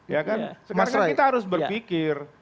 ya kan kita harus berpikir